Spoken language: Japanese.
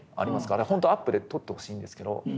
ほんとアップで撮ってほしいんですけど。